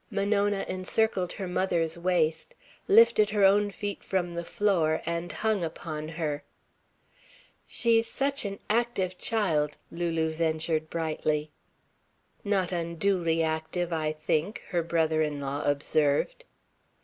Monona encircled her mother's waist, lifted her own feet from the floor and hung upon her. "She's such an active child," Lulu ventured brightly. "Not unduly active, I think," her brother in law observed.